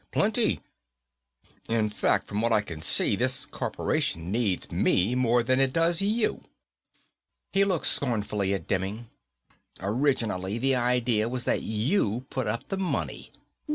Plenty. In fact, from what I can see, this corporation needs me more than it does you." He looked scornfully at Demming. "Originally, the idea was that you put up the money.